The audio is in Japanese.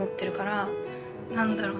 何だろう。